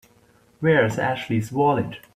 Where's Ashley's wallet?